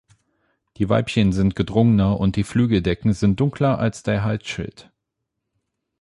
Die Weibchen sind gedrungener und die Flügeldecken sind dunkler als der Halsschild.